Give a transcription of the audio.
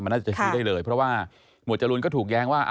น่าจะชี้ได้เลยเพราะว่าหมวดจรูนก็ถูกแย้งว่า